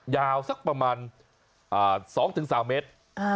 ยาวสักประมาณ๒๓เมตร